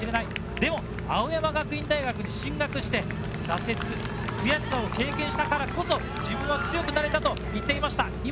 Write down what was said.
でも青山学院大学に進学して挫折、悔しさを経験したからこそ自分は強くなれたと言っていました。